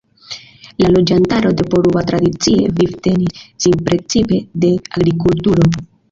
La loĝantaro de Poruba tradicie vivtenis sin precipe de agrikulturo.